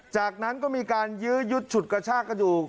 จากนั้นก็มีการยื้อยุดฉุดกระชากันอยู่